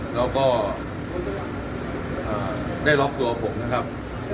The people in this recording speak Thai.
แล้วก็ได้ล็อกตัวผมนะครับ